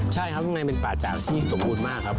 ใช่ครับข้างในเป็นป่าจากที่สมบูรณ์มากครับ